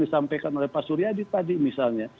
disampaikan oleh pak suryadi tadi misalnya